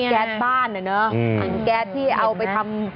แก๊สบ้านแก๊สที่เอาไปทำ